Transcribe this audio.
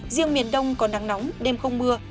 riêng miền đông có nắng nóng đêm không mưa